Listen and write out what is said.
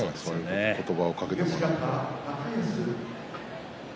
言葉をかけてもらえると。